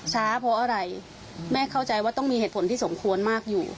เพราะอะไรแม่เข้าใจว่าต้องมีเหตุผลที่สมควรมากอยู่